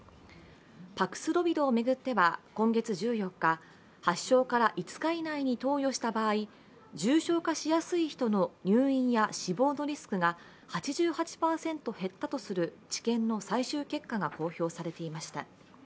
パクスロビドを巡っては今月１４日、発症から５日以内に投与した場合重症化しやすい人の入院や死亡のリスクが８８％減ったとする治験の最終結果が公表されていました。